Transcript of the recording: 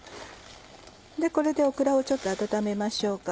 これでオクラをちょっと温めましょうか。